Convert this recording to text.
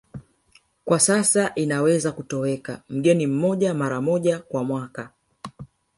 Kwa sasa inaweza kutoweka mgeni mmoja mara moja kwa mwaka